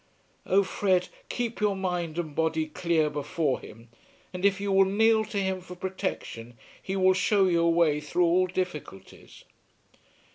Oh, Fred, keep your mind and body clear before Him, and if you will kneel to Him for protection, He will show you a way through all difficulties."